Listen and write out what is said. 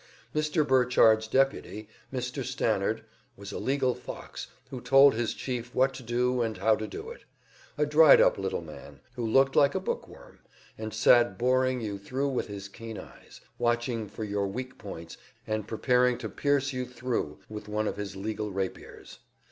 Mr. Burchard's deputy, Mr. Stannard, was a legal fox who told his chief what to do and how to do it; a dried up little man who looked like a bookworm, and sat boring you thru with his keen eyes, watching for your weak points and preparing to pierce you thru with one of his legal rapiers.